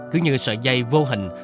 cứ như sợi dây vô hình